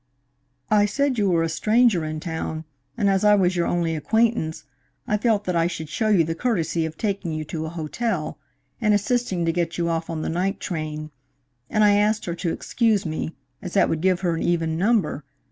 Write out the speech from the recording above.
"I said you were a stranger in town, and as I was your only acquaintance, I felt that I should show you the courtesy of taking you to a hotel, and assisting to get you off on the night train; and I asked her to excuse me, as that would give her an even number.